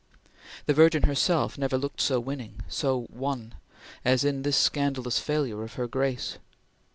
The Virgin herself never looked so winning so One as in this scandalous failure of her Grace.